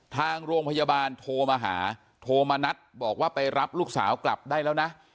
ทางโรงพยาบาลโทรมาหาโทรมานัดบอกว่าไปรับลูกสาวกลับได้แล้วนะ